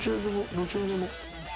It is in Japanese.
どちらでも。